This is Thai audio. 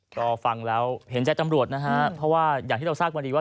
ก็ฟังแล้วเห็นใจตำรวจนะฮะเพราะว่าอย่างที่เราทราบวันนี้ว่า